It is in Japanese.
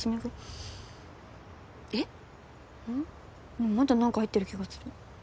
でもまだ何か入ってる気がする